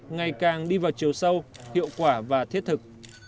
ngày càng đi vào chiều sâu hiệu quả và thiết thực